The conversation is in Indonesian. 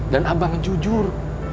dan abang jujur